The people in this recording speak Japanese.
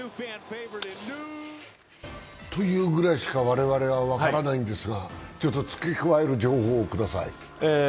というぐらいしか我々は分からないんですが付け加える情報をください。